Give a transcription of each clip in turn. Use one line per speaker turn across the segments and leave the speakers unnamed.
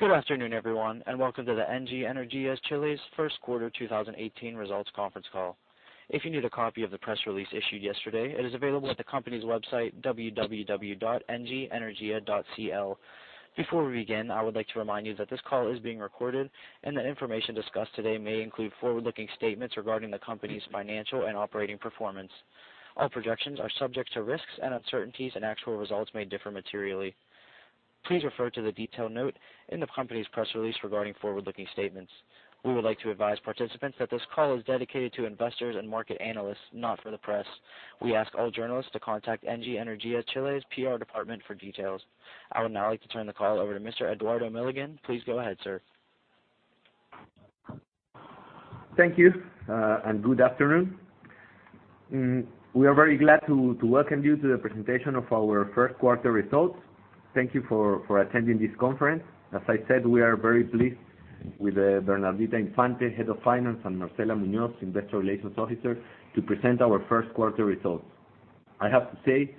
Good afternoon, everyone, and welcome to the Engie Energia Chile's first quarter 2018 results conference call. If you need a copy of the press release issued yesterday, it is available at the company's website, www.engie.cl. Before we begin, I would like to remind you that this call is being recorded and the information discussed today may include forward-looking statements regarding the company's financial and operating performance. All projections are subject to risks and uncertainties, and actual results may differ materially. Please refer to the detailed note in the company's press release regarding forward-looking statements. We would like to advise participants that this call is dedicated to investors and market analysts, not for the press. We ask all journalists to contact Engie Energia Chile's PR department for details. I would now like to turn the call over to Mr. Eduardo Milligan. Please go ahead, sir.
Thank you, and good afternoon. We are very glad to welcome you to the presentation of our first quarter results. Thank you for attending this conference. As I said, we are very pleased with Bernardita Infante, Head of Finance, and Marcela Muñoz, Investor Relations Officer, to present our first quarter results. I have to say,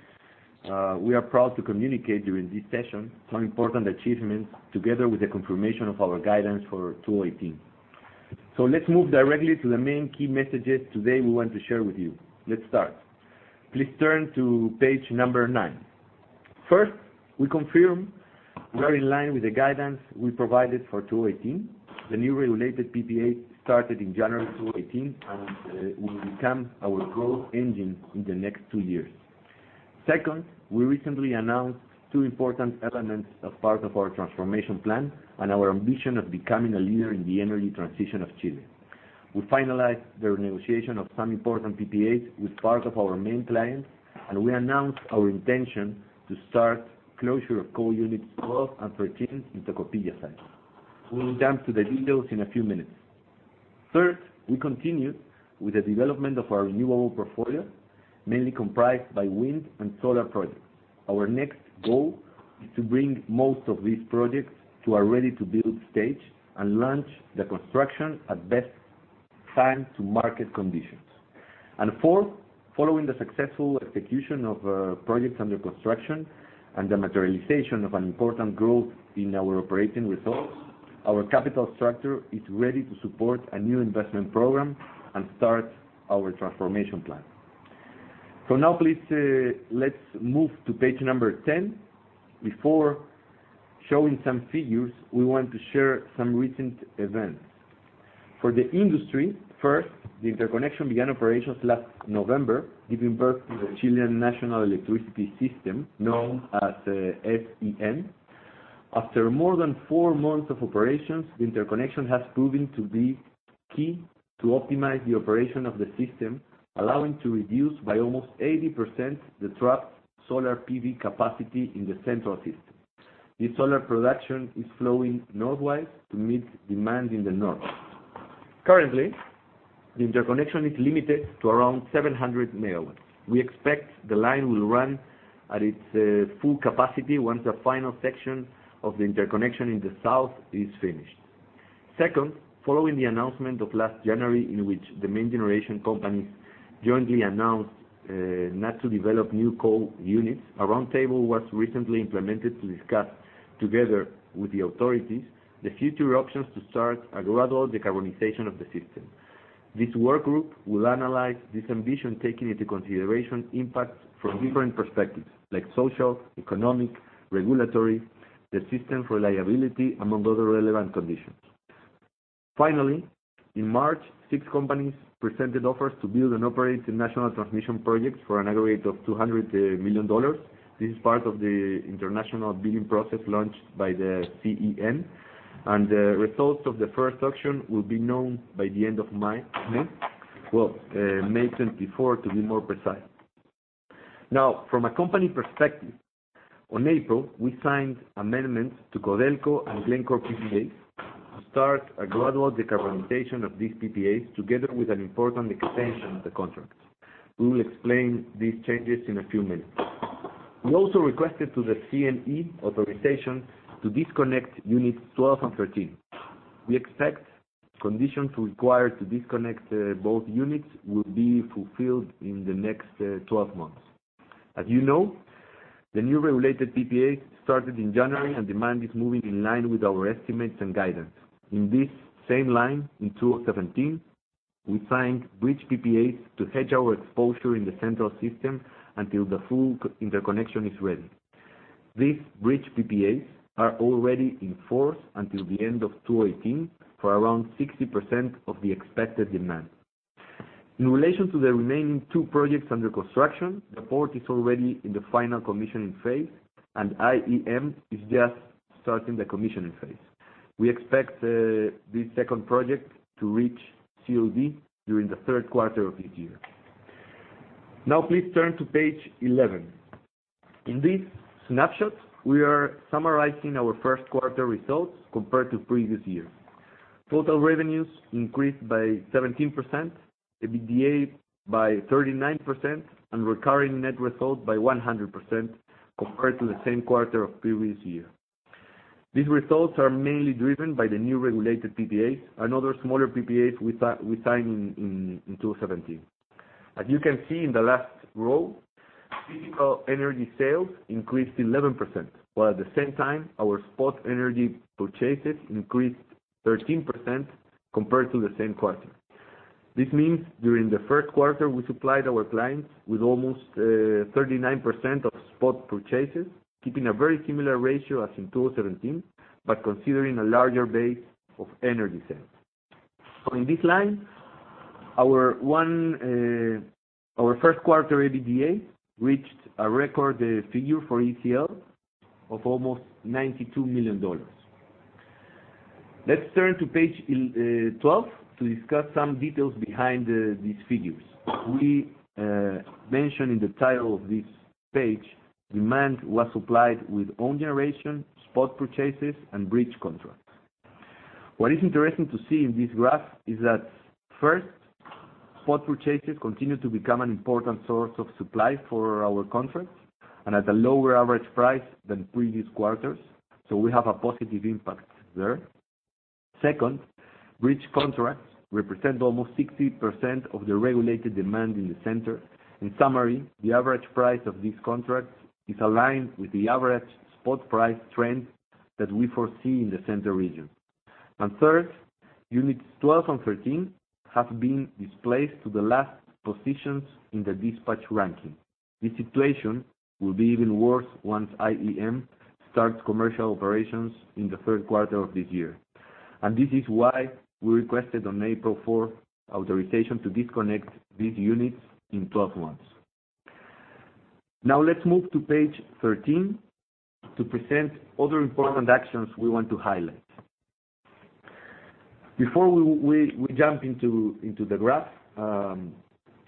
we are proud to communicate during this session some important achievements together with the confirmation of our guidance for 2018. Let's move directly to the main key messages today we want to share with you. Let's start. Please turn to page number nine. First, we confirm we are in line with the guidance we provided for 2018. The new regulated PPAs started in January 2018 and will become our growth engine in the next two years. Second, we recently announced two important elements as part of our transformation plan and our ambition of becoming a leader in the energy transition of Chile. We finalized the renegotiation of some important PPAs with part of our main clients, and we announced our intention to start closure of coal units 12 and 13 in Tocopilla site. We will jump to the details in a few minutes. Third, we continue with the development of our renewable portfolio, mainly comprised by wind and solar projects. Our next goal is to bring most of these projects to a ready-to-build stage and launch the construction at best time to market conditions. Fourth, following the successful execution of projects under construction and the materialization of an important growth in our operating results, our capital structure is ready to support a new investment program and start our transformation plan. Now please, let's move to page number 10. Before showing some figures, we want to share some recent events. For the industry, first, the interconnection began operations last November, giving birth to the Chilean National Electric System, known as the SEN. After more than four months of operations, the interconnection has proven to be key to optimize the operation of the system, allowing to reduce by almost 80% the trapped solar PV capacity in the central system. This solar production is flowing northward to meet demand in the north. Currently, the interconnection is limited to around 700 megawatts. We expect the line will run at its full capacity once the final section of the interconnection in the south is finished. Second, following the announcement of last January in which the main generation companies jointly announced not to develop new coal units, a roundtable was recently implemented to discuss together with the authorities the future options to start a gradual decarbonization of the system. This work group will analyze this ambition taking into consideration impacts from different perspectives, like social, economic, regulatory, the system's reliability, among other relevant conditions. Finally, in March, six companies presented offers to build and operate international transmission projects for an aggregate of $200 million. This is part of the international bidding process launched by the CEN, and the results of the first auction will be known by the end of May. Well, May 24th, to be more precise. From a company perspective, on April, we signed amendments to Codelco and Glencore PPAs to start a gradual decarbonization of these PPAs together with an important extension of the contracts. We will explain these changes in a few minutes. We also requested to the CNE authorization to disconnect units 12 and 13. We expect conditions required to disconnect both units will be fulfilled in the next 12 months. As you know, the new regulated PPAs started in January, and demand is moving in line with our estimates and guidance. In this same line, in 2017, we signed bridge PPAs to hedge our exposure in the central system until the full interconnection is ready. These bridge PPAs are already in force until the end of 2018 for around 60% of the expected demand. In relation to the remaining two projects under construction, the port is already in the final commissioning phase, and IEM is just starting the commissioning phase. We expect this second project to reach COD during the third quarter of this year. Please turn to page 11. In this snapshot, we are summarizing our first quarter results compared to previous year. Total revenues increased by 17%, the EBITDA by 39%, and recurring net result by 100% compared to the same quarter of previous year. These results are mainly driven by the new regulated PPAs, another smaller PPAs we signed in 2017. As you can see in the last row Physical energy sales increased 11%, while at the same time, our spot energy purchases increased 13% compared to the same quarter. This means during the first quarter, we supplied our clients with almost 39% of spot purchases, keeping a very similar ratio as in 2017, but considering a larger base of energy sales. In this line, our first quarter EBITDA reached a record figure for ECL of almost $92 million. Let's turn to page 12 to discuss some details behind these figures. We mentioned in the title of this page, demand was supplied with own generation, spot purchases, and bridge contracts. What is interesting to see in this graph is that first, spot purchases continue to become an important source of supply for our contracts and at a lower average price than previous quarters, so we have a positive impact there. Second, bridge contracts represent almost 60% of the regulated demand in the center. In summary, the average price of these contracts is aligned with the average spot price trend that we foresee in the center region. Third, units 12 and 13 have been displaced to the last positions in the dispatch ranking. This situation will be even worse once IEM starts commercial operations in the third quarter of this year. This is why we requested on April 4th, authorization to disconnect these units in 12 months. Let's move to page 13 to present other important actions we want to highlight. Before we jump into the graph.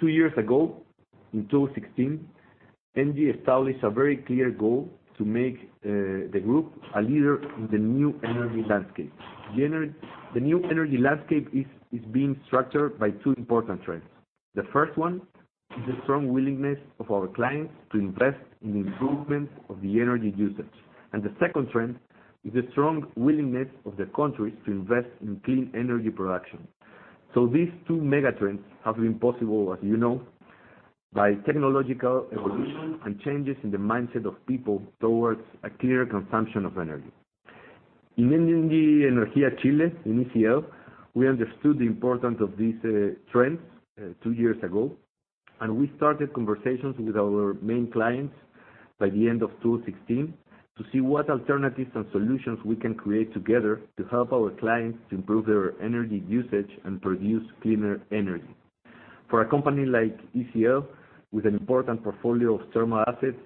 Two years ago, in 2016, Engie established a very clear goal to make the group a leader in the new energy landscape. The new energy landscape is being structured by two important trends. First one is the strong willingness of our clients to invest in the improvement of the energy usage. The second trend is the strong willingness of the countries to invest in clean energy production. These two mega trends have been possible, as you know, by technological evolution and changes in the mindset of people towards a clearer consumption of energy. In Engie Energia Chile, in ECL, we understood the importance of these trends two years ago, we started conversations with our main clients by the end of 2016 to see what alternatives and solutions we can create together to help our clients to improve their energy usage and produce cleaner energy. For a company like ECL with an important portfolio of thermal assets,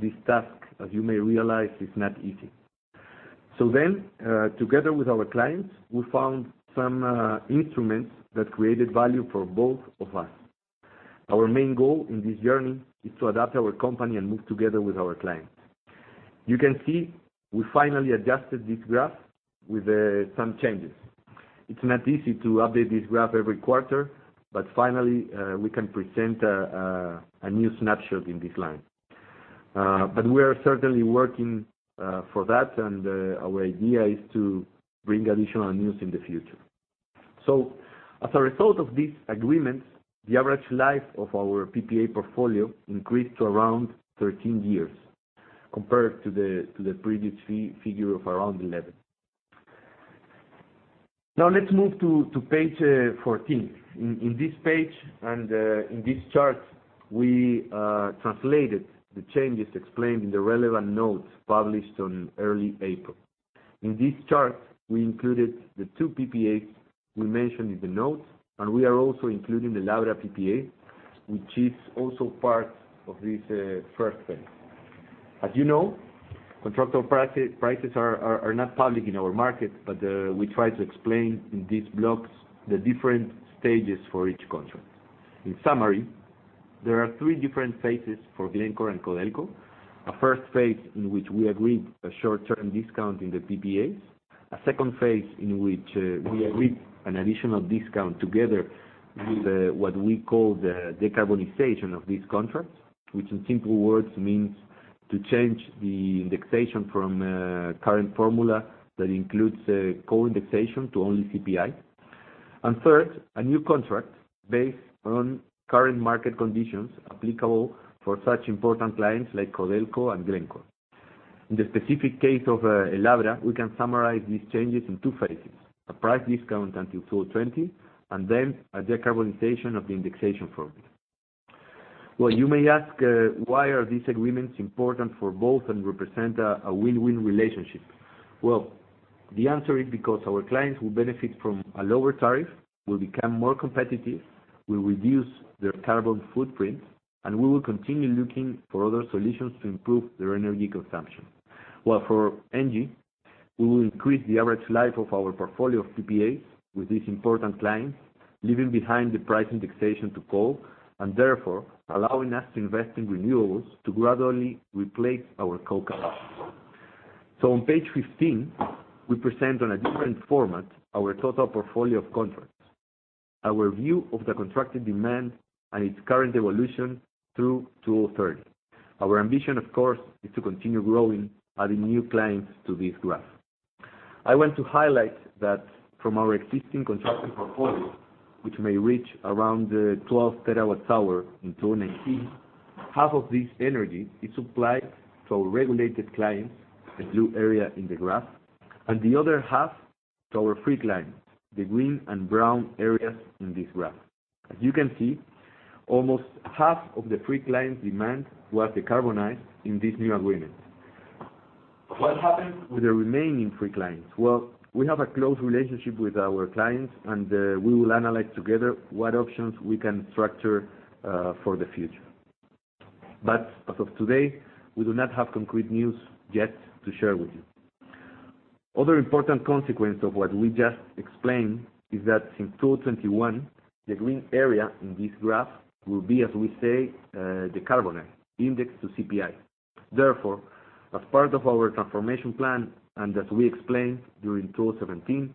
this task, as you may realize, is not easy. Together with our clients, we found some instruments that created value for both of us. Our main goal in this journey is to adapt our company and move together with our clients. You can see we finally adjusted this graph with some changes. It's not easy to update this graph every quarter, finally, we can present a new snapshot in this line. We are certainly working for that, our idea is to bring additional news in the future. As a result of these agreements, the average life of our PPA portfolio increased to around 13 years compared to the previous figure of around 11. Let's move to page 14. In this page and in this chart, we translated the changes explained in the relevant notes published on early April. In this chart, we included the two PPAs we mentioned in the notes, we are also including the Laura PPA, which is also part of this first phase. As you know, contracted prices are not public in our market, we try to explain in these blocks the different stages for each contract. In summary, there are three different phases for Glencore and Codelco. First phase in which we agreed a short-term discount in the PPAs, second phase in which we agreed an additional discount together with what we call the decarbonization of these contracts, which in simple words means to change the indexation from a current formula that includes coal indexation to only CPI. Third, a new contract based on current market conditions applicable for such important clients like Codelco and Glencore. In the specific case of Laura, we can summarize these changes in two phases: a price discount until 2020, a decarbonization of the indexation formula. You may ask, why are these agreements important for both and represent a win-win relationship? The answer is because our clients will benefit from a lower tariff, will become more competitive, will reduce their carbon footprint, and we will continue looking for other solutions to improve their energy consumption. While for Engie, we will increase the average life of our portfolio of PPAs with this important client, leaving behind the price indexation to coal, and therefore allowing us to invest in renewables to gradually replace our coal capacity. On page 15, we present in a different format our total portfolio of contracts, our view of the contracted demand, and its current evolution through to 2030. Our ambition, of course, is to continue growing, adding new clients to this graph. I want to highlight that from our existing construction portfolio, which may reach around 12 terawatt-hour in 2018, half of this energy is supplied to our regulated clients, the blue area in the graph, and the other half to our free clients, the green and brown areas in this graph. As you can see, almost half of the free clients' demand was decarbonized in these new agreements. What happens with the remaining free clients? We have a close relationship with our clients, and we will analyze together what options we can structure for the future. As of today, we do not have concrete news yet to share with you. Other important consequence of what we just explained is that in 2021, the green area in this graph will be, as we say, decarbonized, indexed to CPI. As part of our transformation plan and as we explained during 2017,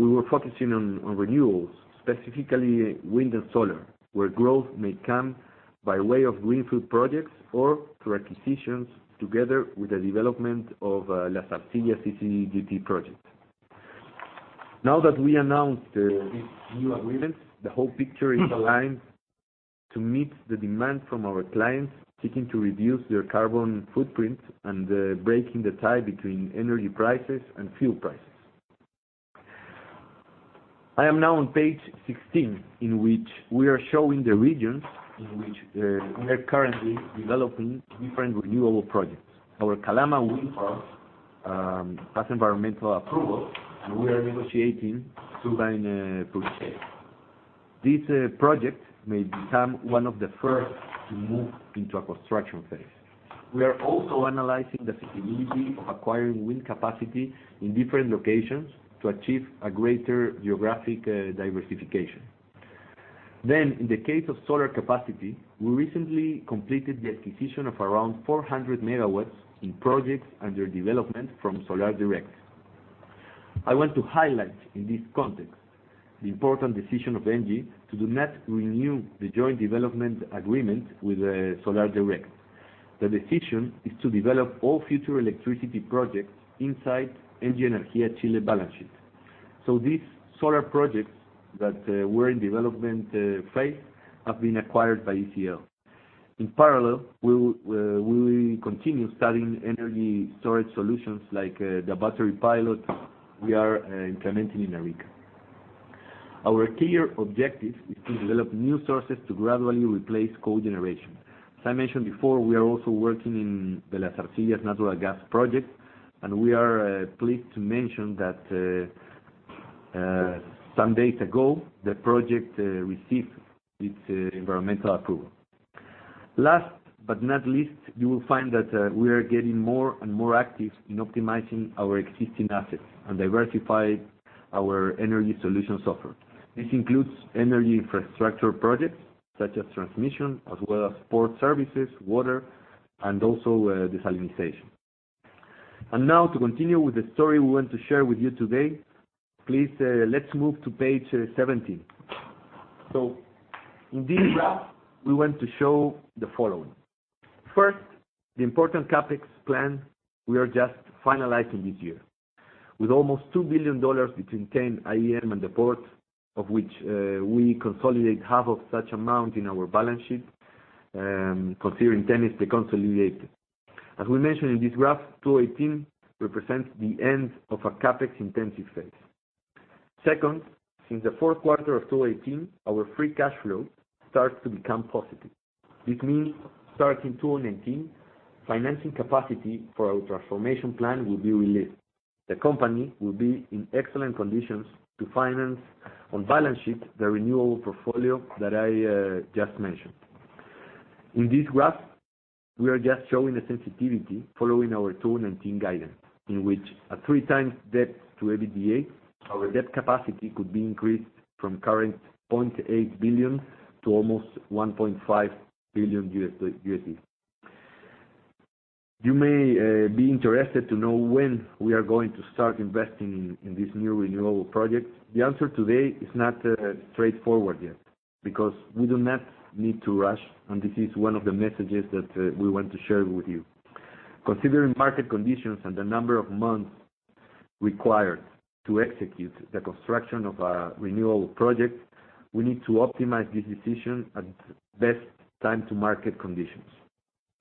we were focusing on renewals, specifically wind and solar, where growth may come by way of greenfield projects or through acquisitions, together with the development of Las Arcillas CCGT project. That we announced these new agreements, the whole picture is aligned to meet the demand from our clients seeking to reduce their carbon footprint and breaking the tie between energy prices and fuel prices. I am now on page 16, in which we are showing the regions in which we are currently developing different renewable projects. Our Calama wind farm has environmental approval, and we are negotiating to bind purchase. This project may become one of the first to move into a construction phase. We are also analyzing the feasibility of acquiring wind capacity in different locations to achieve a greater geographic diversification. In the case of solar capacity, we recently completed the acquisition of around 400 megawatts in projects under development from Solairedirect. I want to highlight in this context the important decision of Engie to not renew the joint development agreement with Solairedirect. The decision is to develop all future electricity projects inside Engie Energia Chile balance sheet. These solar projects that were in development phase have been acquired by ECL. In parallel, we will continue studying energy storage solutions like the battery pilot we are implementing in Arica. Our clear objective is to develop new sources to gradually replace co-generation. As I mentioned before, we are also working in the Las Arcillas natural gas project, and we are pleased to mention that some days ago, the project received its environmental approval. Last but not least, you will find that we are getting more and more active in optimizing our existing assets and diversify our energy solutions offered. This includes energy infrastructure projects such as transmission, as well as port services, water, and also desalinization. Now to continue with the story we want to share with you today, please, let's move to page 17. In this graph, we want to show the following. First, the important CapEx plan we are just finalizing this year. With almost $2 billion between TEN, IEM, and the port, of which we consolidate half of such amount in our balance sheet, considering TEN is deconsolidated. As we mentioned in this graph, 2018 represents the end of a CapEx-intensive phase. Second, since the fourth quarter of 2018, our free cash flow starts to become positive. This means starting 2019, financing capacity for our transformation plan will be released. The company will be in excellent conditions to finance on balance sheet the renewable portfolio that I just mentioned. In this graph, we are just showing the sensitivity following our 2019 guidance, in which at three times debt to EBITDA, our debt capacity could be increased from current $0.8 billion to almost $1.5 billion. You may be interested to know when we are going to start investing in this new renewable project. The answer today is not straightforward yet because we do not need to rush, and this is one of the messages that we want to share with you. Considering market conditions and the number of months required to execute the construction of a renewable project, we need to optimize this decision at best time to market conditions.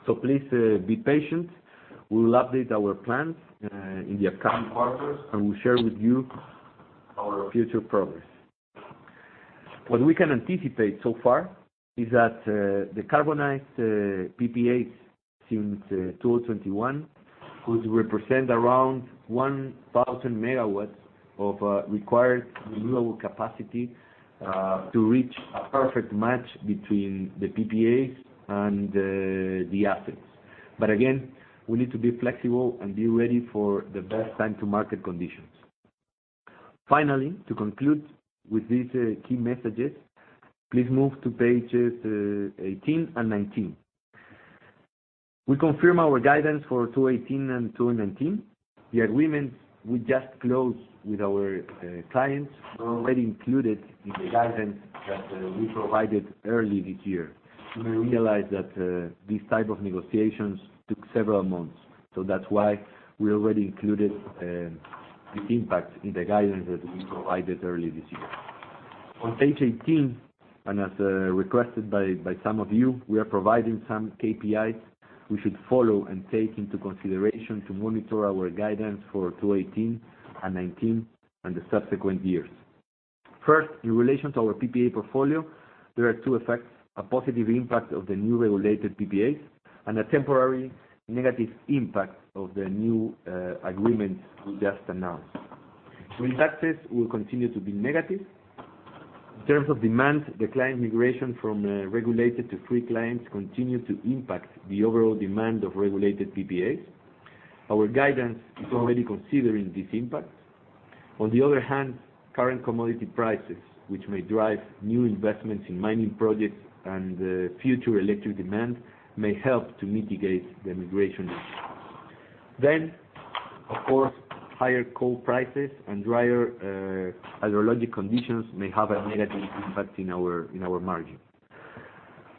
Please be patient. We will update our plans in the upcoming quarters, and we will share with you our future progress. What we can anticipate so far is that the decarbonized PPAs since 2021 could represent around 1,000 megawatts of required renewable capacity to reach a perfect match between the PPAs and the assets. Again, we need to be flexible and be ready for the best time to market conditions. Finally, to conclude with these key messages, please move to pages 18 and 19. We confirm our guidance for 2018 and 2019. The agreements we just closed with our clients were already included in the guidance that we provided early this year. That's why we already included the impact in the guidance that we provided early this year. On page 18, as requested by some of you, we are providing some KPIs we should follow and take into consideration to monitor our guidance for 2018 and 2019, and the subsequent years. First, in relation to our PPA portfolio, there are two effects: a positive impact of the new regulated PPAs, and a temporary negative impact of the new agreements we just announced. Wind access will continue to be negative. In terms of demand, the client migration from regulated to free clients continue to impact the overall demand of regulated PPAs. Our guidance is already considering this impact. On the other hand, current commodity prices, which may drive new investments in mining projects and future electric demand, may help to mitigate the [migration issues]. Of course, higher coal prices and drier hydrologic conditions may have a negative impact in our margin.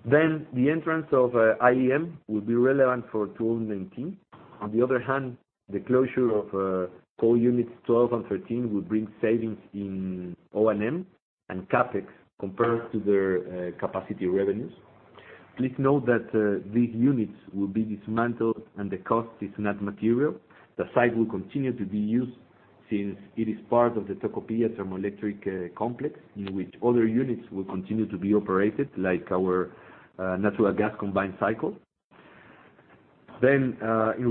The entrance of IEM will be relevant for 2019. On the other hand, the closure of coal units 12 and 13 will bring savings in O&M and CapEx compared to their capacity revenues. Please note that these units will be dismantled and the cost is not material. The site will continue to be used since it is part of the Tocopilla thermoelectric complex, in which other units will continue to be operated, like our natural gas combined cycle. In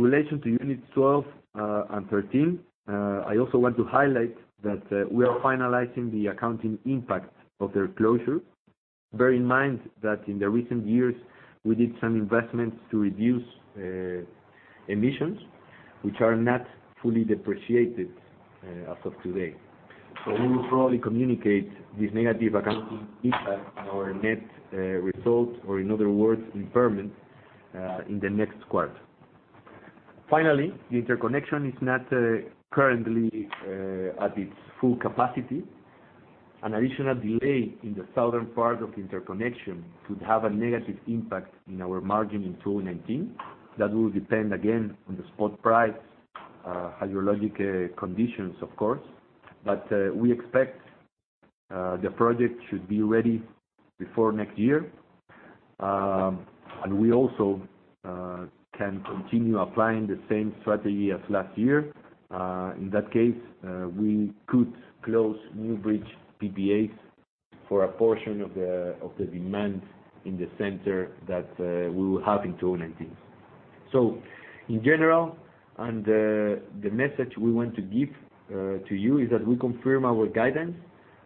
relation to units 12 and 13, I also want to highlight that we are finalizing the accounting impact of their closure. Bear in mind that in the recent years, we did some investments to reduce emissions, which are not fully depreciated as of today. We will probably communicate this negative accounting impact on our net results, or in other words, impairment, in the next quarter. Finally, the interconnection is not currently at its full capacity. An additional delay in the southern part of the interconnection could have a negative impact on our margin in 2019. That will depend, again, on the spot price, hydrologic conditions, of course. We expect the project should be ready before next year. We also can continue applying the same strategy as last year. In that case, we could close new bridge PPAs for a portion of the demand in the center that we will have in 2019. In general, and the message we want to give to you, is that we confirm our guidance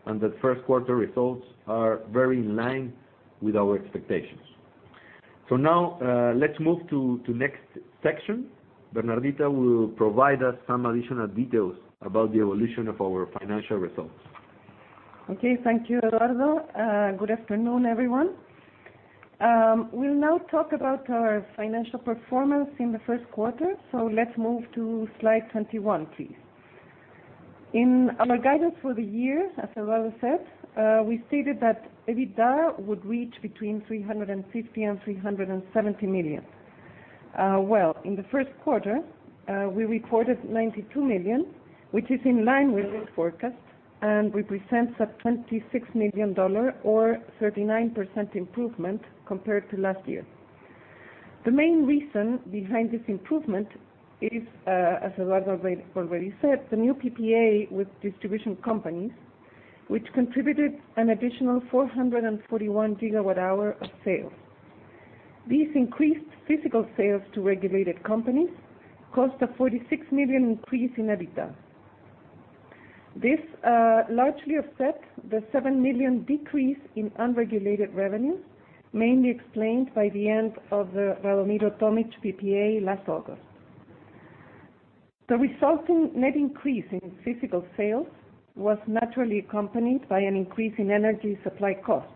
and that first quarter results are very in line with our expectations. Let's move to next section. Bernardita will provide us some additional details about the evolution of our financial results.
Okay. Thank you, Eduardo. Good afternoon, everyone. We'll now talk about our financial performance in the first quarter. Let's move to slide 21, please. In our guidance for the year, as Eduardo said, we stated that EBITDA would reach between $350 million-$370 million. Well, in the first quarter, we recorded $92 million, which is in line with this forecast and represents a $26 million, or 39% improvement compared to last year. The main reason behind this improvement is, as Eduardo already said, the new PPA with distribution companies, which contributed an additional 441 gigawatt hour of sales. These increased physical sales to regulated companies cost a $46 million increase in EBITDA. This largely offset the $7 million decrease in unregulated revenue, mainly explained by the end of the Radomiro Tomic PPA last August. The resulting net increase in physical sales was naturally accompanied by an increase in energy supply costs.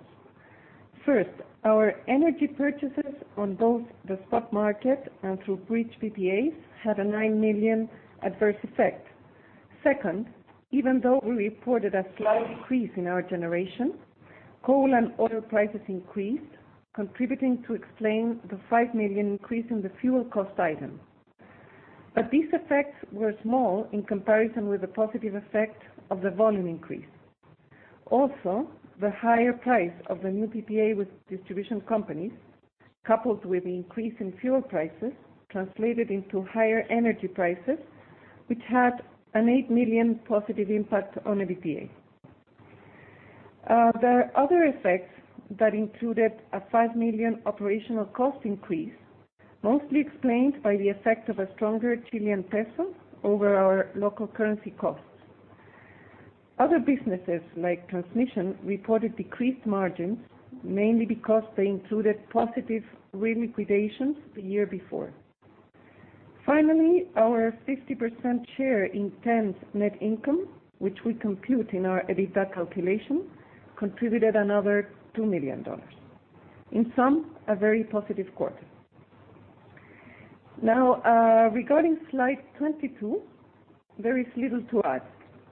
First, our energy purchases on both the spot market and through bridge PPAs had a $9 million adverse effect. Second, even though we reported a slight decrease in our generation, coal and oil prices increased, contributing to explain the $5 million increase in the fuel cost item. These effects were small in comparison with the positive effect of the volume increase. Also, the higher price of the new PPA with distribution companies, coupled with the increase in fuel prices, translated into higher energy prices, which had an $8 million positive impact on EBITDA. There are other effects that included a $5 million operational cost increase, mostly explained by the effect of a stronger Chilean peso over our local currency costs. Other businesses, like transmission, reported decreased margins, mainly because they included positive re-liquidations the year before. Finally, our 50% share in TEN's net income, which we compute in our EBITDA calculation, contributed another $2 million. In sum, a very positive quarter. Regarding slide 22, there is little to add.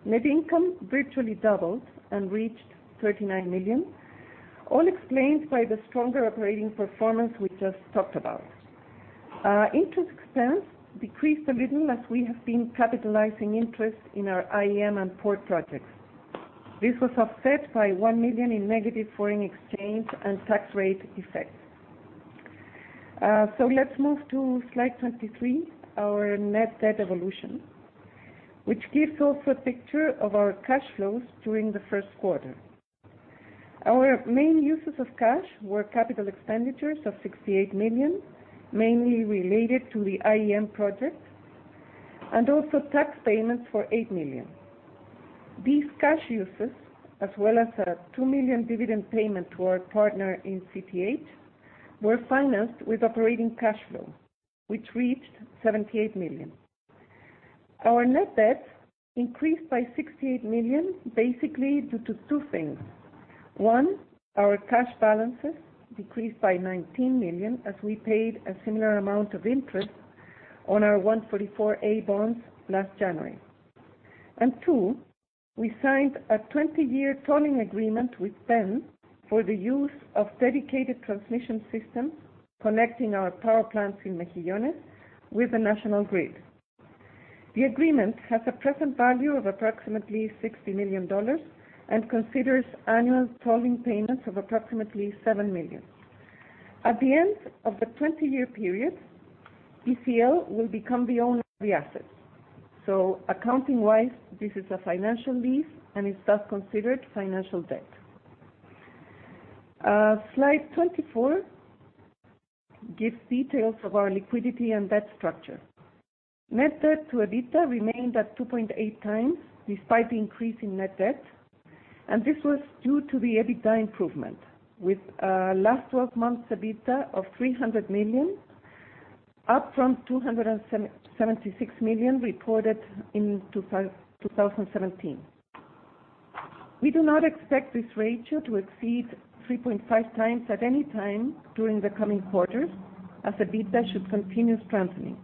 Net income virtually doubled and reached $39 million, all explained by the stronger operating performance we just talked about. Interest expense decreased a little as we have been capitalizing interest in our IEM and port projects. This was offset by $1 million in negative foreign exchange and tax rate effects. Let's move to slide 23, our net debt evolution, which gives also a picture of our cash flows during the first quarter. Our main uses of cash were capital expenditures of $68 million, mainly related to the IEM project, and also tax payments for $8 million. These cash uses, as well as a $2 million dividend payment to our partner in CPH, were financed with operating cash flow, which reached $78 million. Our net debt increased by $68 million, basically due to two things. One, our cash balances decreased by $19 million, as we paid a similar amount of interest on our 144A bonds last January. And two, we signed a 20-year tolling agreement with SEN for the use of dedicated transmission systems connecting our power plants in Mejillones with the national grid. The agreement has a present value of approximately $60 million and considers annual tolling payments of approximately $7 million. At the end of the 20-year period, ECL will become the owner of the assets. So accounting-wise, this is a financial lease, and it's thus considered financial debt. Slide 24 gives details of our liquidity and debt structure. Net debt to EBITDA remained at 2.8 times despite the increase in net debt, and this was due to the EBITDA improvement, with last 12 months EBITDA of $300 million, up from $276 million reported in 2017. We do not expect this ratio to exceed 3.5 times at any time during the coming quarters, as EBITDA should continue strengthening,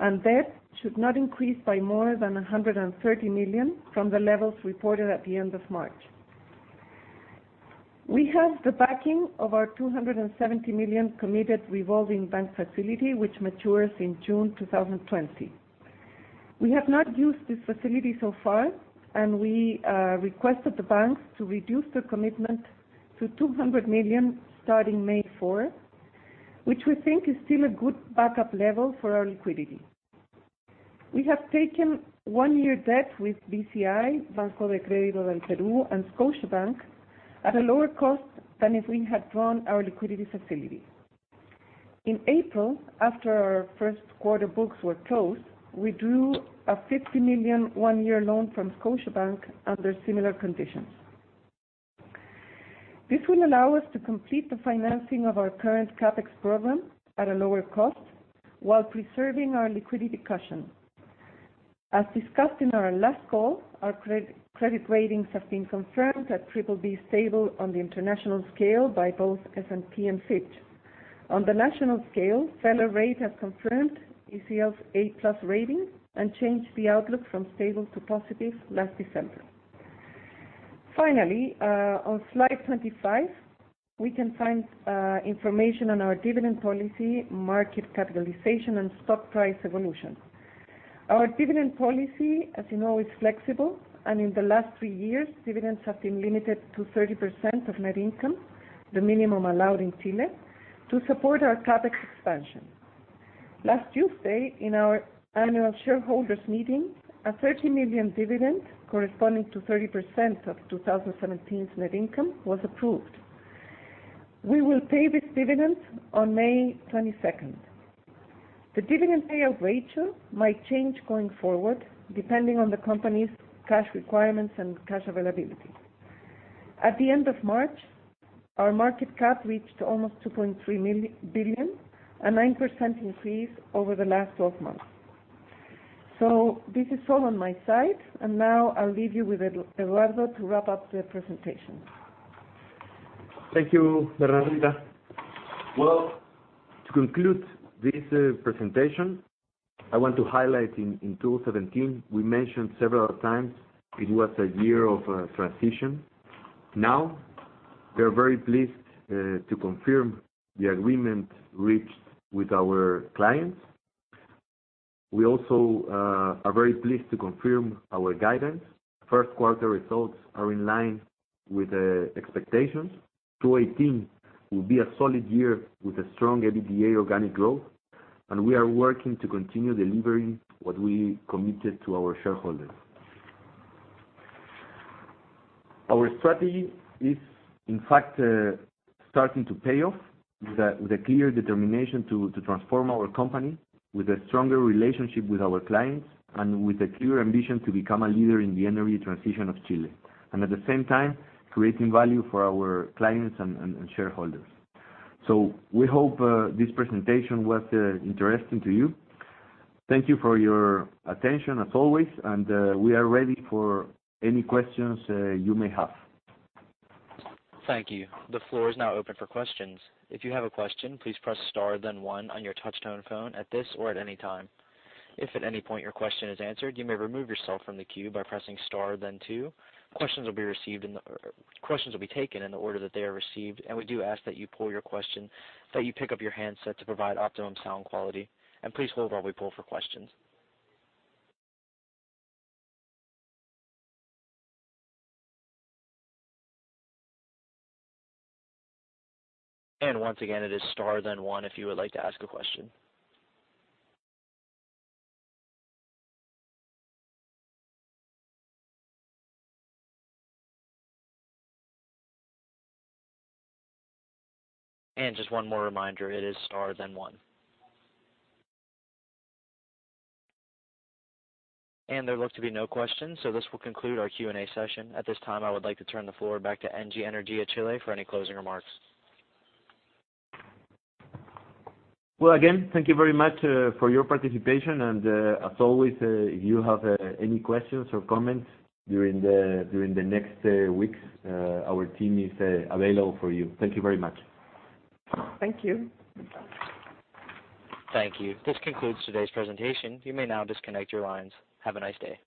and debt should not increase by more than $130 million from the levels reported at the end of March. We have the backing of our $270 million committed revolving bank facility, which matures in June 2020. We have not used this facility so far, and we requested the banks to reduce their commitment to $200 million starting May 4th, which we think is still a good backup level for our liquidity. We have taken one-year debt with BCI, Banco de Crédito del Perú, and Scotiabank at a lower cost than if we had drawn our liquidity facility. In April, after our first quarter books were closed, we drew a $50 million one-year loan from Scotiabank under similar conditions. This will allow us to complete the financing of our current CapEx program at a lower cost while preserving our liquidity cushion. As discussed in our last call, our credit ratings have been confirmed at BBB stable on the international scale by both S&P and Fitch. On the national scale, Feller Rate has confirmed ECL's A+ rating and changed the outlook from stable to positive last December. Finally, on slide 25, we can find information on our dividend policy, market capitalization, and stock price evolution. Our dividend policy, as you know, is flexible, and in the last three years, dividends have been limited to 30% of net income, the minimum allowed in Chile, to support our CapEx expansion. Last Tuesday, in our annual shareholders meeting, a $30 million dividend corresponding to 30% of 2017's net income was approved. We will pay this dividend on May 22nd. The dividend payout ratio might change going forward, depending on the company's cash requirements and cash availability. At the end of March, our market cap reached almost $2.3 billion, a 9% increase over the last 12 months. This is all on my side, and now I'll leave you with Eduardo to wrap up the presentation.
Thank you, Bernardita. To conclude this presentation, I want to highlight in 2017, we mentioned several times it was a year of transition. We are very pleased to confirm the agreement reached with our clients. We also are very pleased to confirm our guidance. First quarter results are in line with the expectations. 2018 will be a solid year with a strong EBITDA organic growth, and we are working to continue delivering what we committed to our shareholders. Our strategy is, in fact, starting to pay off with a clear determination to transform our company, with a stronger relationship with our clients, and with a clear ambition to become a leader in the energy transition of Chile, and at the same time, creating value for our clients and shareholders. We hope this presentation was interesting to you. Thank you for your attention as always, and we are ready for any questions you may have.
Thank you. The floor is now open for questions. If you have a question, please press star then one on your touch-tone phone at this or at any time. If at any point your question is answered, you may remove yourself from the queue by pressing star then two. Questions will be taken in the order that they are received, we do ask that you pick up your handset to provide optimum sound quality. Please hold while we poll for questions. Once again, it is star then one if you would like to ask a question. Just one more reminder, it is star then one. There look to be no questions, this will conclude our Q&A session. At this time, I would like to turn the floor back to Engie Energia Chile for any closing remarks.
Well, again, thank you very much for your participation. As always, if you have any questions or comments during the next weeks, our team is available for you. Thank you very much.
Thank you.
Thank you. This concludes today's presentation. You may now disconnect your lines. Have a nice day.